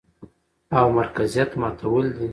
او مرکزيت ماتول دي،